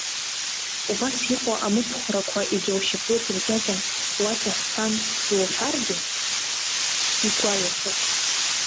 Убас иҟоу амыцхәрақәа, егьа ушьапы ҵыркьакьан, уаҵаҳәҳәан иуҳәаргьы, игәаҩахоит.